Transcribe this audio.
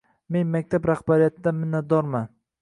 Men maktab rahbariyatidan minnatdorman.